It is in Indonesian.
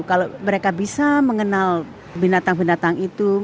kalau mereka bisa mengenal binatang binatang itu